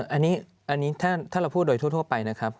อันนี้ถ้าเราพูดโดยทั่วไปนะครับ